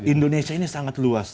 indonesia ini sangat luas